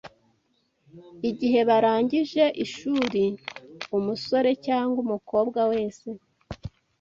Igihe barangije ishuri, umusore cyangwa umukobwa wese